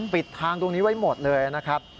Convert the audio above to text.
ปิดทางตรงนี้ไว้หมดเลยนะครับ